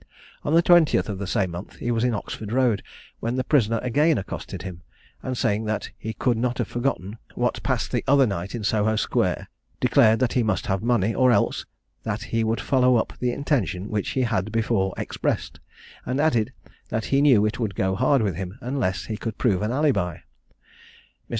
On the 20th of the same month he was in Oxford road, when the prisoner again accosted him, and saying that he could not have forgotten what passed the other night in Soho square, declared that he must have money, or else, that he would follow up the intention which he had before expressed, and added that he knew it would go hard with him, unless he could prove an alibi. Mr.